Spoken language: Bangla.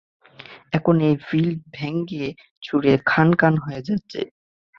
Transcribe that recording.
এখন, এই ফিল্ড ভেঙ্গেচুরে খানখান হয়ে যাচ্ছে!